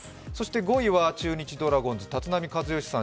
５位は中日ドラゴンズ、立浪和義さん